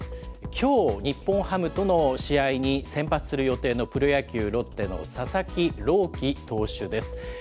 きょう、日本ハムとの試合に先発する予定のプロ野球・ロッテの佐々木朗希投手です。